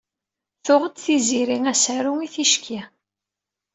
Tuɣ-d Tiziri asaru i ticki.